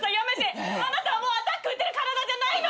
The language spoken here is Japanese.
あなたはもうアタック打てる体じゃないの！